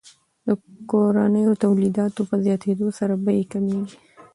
د کورنیو تولیداتو په زیاتیدو سره بیې کمیږي.